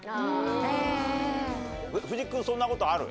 藤木君そんなことある？